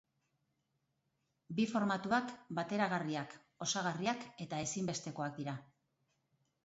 Bi formatuak bateragarriak, osagarriak eta ezinbestekoak dira.